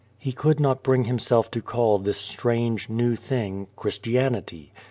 He could not bring himself to call this strange, new thing Christianity.